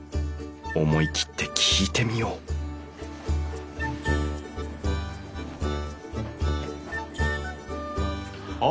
思い切って聞いてみようあ